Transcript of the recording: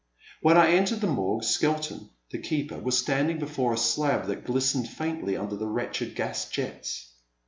When I entered the Morgue, Skelton, the keeper, was standing before a slab that glistened faintly under the wretched gas jets.